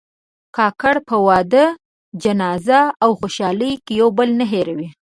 کاکړ په واده، جنازه او خوشحالۍ کې یو بل نه هېروي.